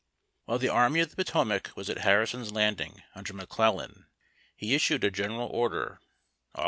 While the Army of the Potomac was at Harrison's Land ing, under McClellan, he issued a General Order (Aug.